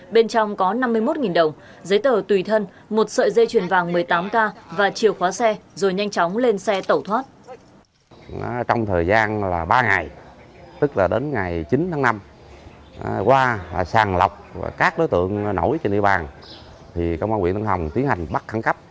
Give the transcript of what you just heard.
bên trong có năm mươi một đồng giấy tờ tùy thân một sợi dây chuyền vàng một mươi tám k và chiều khóa xe rồi nhanh chóng lên xe tẩu thoát